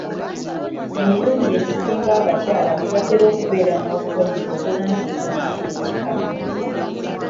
Emirundu egisinga abakyala tebatera kubeera na bubonero bulaga ndwadde za kikaba.